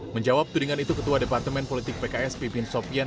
menjawab tudingan itu ketua departemen politik pks pipin sopian